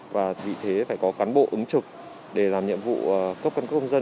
và vì thế phải có cán bộ ứng trực để làm nhiệm vụ cấp căn cứ công dân